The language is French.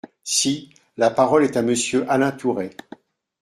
Si ! La parole est à Monsieur Alain Tourret.